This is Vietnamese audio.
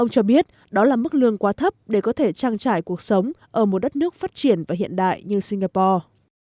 ông cho biết đó là mức lương quá thấp để có thể trang trải cuộc sống ở một đất nước phát triển và hiện đại như singapore